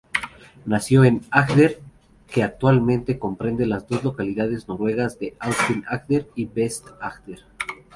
Nació en Agder, que actualmente comprende las dos localidades noruegas de Aust-Agder y Vest-Agder.